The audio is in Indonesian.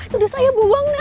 itu udah saya buang neng